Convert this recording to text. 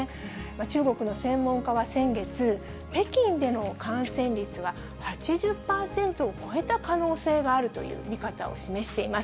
中国の専門家は先月、北京での感染率は８０％を超えた可能性があるという見方を示しています。